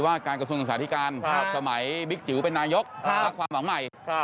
ว่าการกระทรวงศึกษาธิการสมัยบิ๊กจิ๋วเป็นนายกพักความหวังใหม่